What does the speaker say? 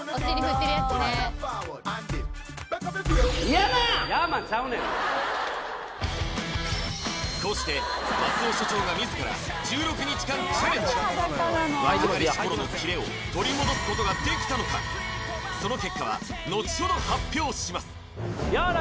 ヤーマンちゃうねんこうして松尾所長が自ら１６日間チャレンジ若かりし頃のキレを取り戻すことができたのかその結果はのちほど発表します